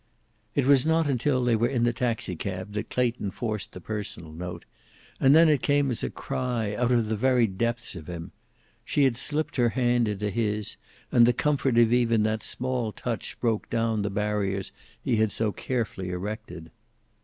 It was not until they were in the taxicab that Clayton forced the personal note, and then it came as a cry, out of the very depths of him. She had slipped her hand into his, and the comfort of even that small touch broke down the barriers he had so carefully erected.